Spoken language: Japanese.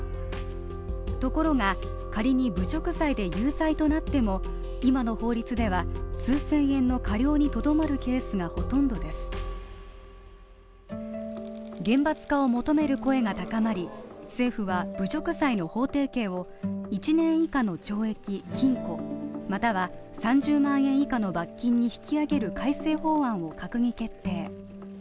ところが、仮に侮辱罪で有罪となっても今の法律では数千円の科料にとどまるケースがほとんどです厳罰化を求める声が高まり、政府は侮辱罪の法定刑を１年以下の懲役、禁錮、または３０万円以下の罰金に引き上げる改正法案を閣議決定。